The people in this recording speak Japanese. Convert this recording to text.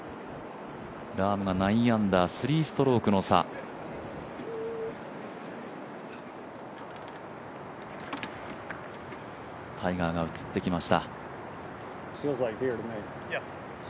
ラー値が９アンダー、３ストローク差タイガーが映ってきました。